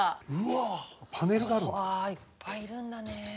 うわいっぱいいるんだね。